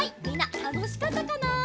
みんなたのしかったかな？